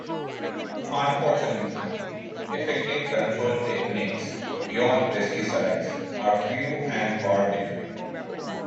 Unfortunately, effective control techniques beyond pesticides are few and far between.